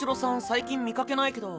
最近見かけないけど。